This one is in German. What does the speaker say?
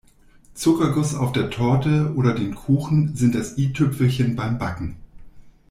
Zuckerguss auf der Torte oder den Kuchen sind das I-Tüpfelchen beim Backen.